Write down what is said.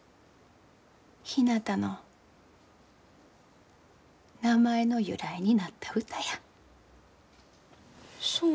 ひなたの名前の由来になった歌や。